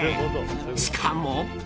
しかも。